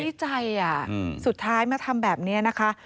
ใจอ่ะสุดท้ายมาทำแบบนี้นะคะ